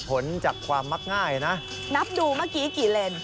ผลจากความมักง่ายนะนับดูเมื่อกี้กี่เลน